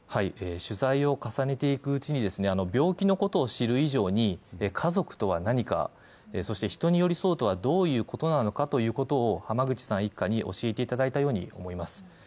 取材を重ねていくうちに病気のことを知る以上に家族とは何か、そして人に寄り添うとはどういうことなのかを浜口さん一家に教えていただいたように思います。